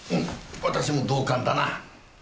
私も同感だな。